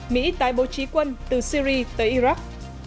mỹ tái bố trí quân từ syri tới iraq